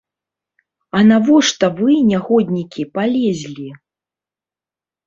А навошта вы, нягоднікі, палезлі?